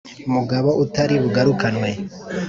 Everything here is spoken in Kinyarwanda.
mugabo utari bugarukanwe